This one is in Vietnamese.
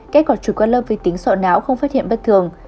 kết quả trụt quát lâm vì tính sọ não không phát hiện bất thường